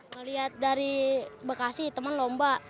ngelihat dari bekasi teman lomba